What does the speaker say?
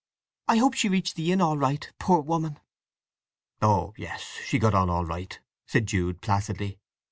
I hope she reached the inn all right, poor woman." "Oh yes: she got on all right," said Jude placidly.